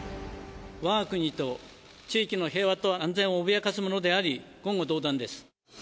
わが国と地域の平和と安全を脅かすものであり、言語道断です。